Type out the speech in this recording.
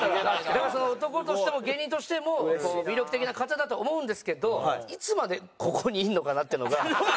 だから男としても芸人としても魅力的な方だと思うんですけどいつまでここにいるのかな？っていうのが。